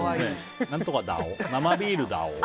何とかだおって生ビールだお。